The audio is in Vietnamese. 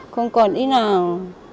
không còn ý nào